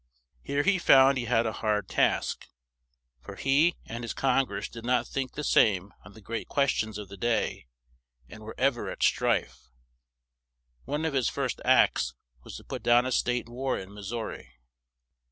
Here he found he had a hard task; for he and his Con gress did not think the same on the great ques tions of the day and were ev er at strife. One of his first acts was to put down a state war in Mis sou ri.